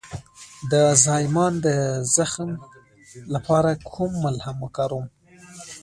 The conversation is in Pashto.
د زایمان د زخم لپاره کوم ملهم وکاروم؟